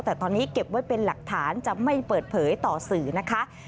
แต่ตอนนี้เก็บไว้เป็นหลักฐานจะไม่เปิดเผยต่อสื่อนะคะ